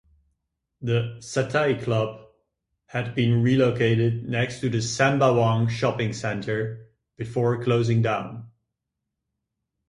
The "Satay Club" had been relocated next to Sembawang Shopping Centre, before closing down.